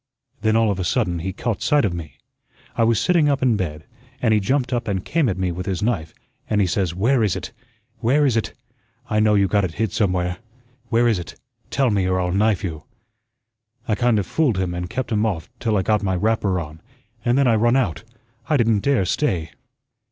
Then, all of a sudden, he caught sight of me. I was sitting up in bed, and he jumped up and came at me with his knife, an' he says, 'Where is it? Where is it? I know you got it hid somewhere. Where is it? Tell me or I'll knife you.' I kind of fooled him and kept him off till I got my wrapper on, an' then I run out. I didn't dare stay."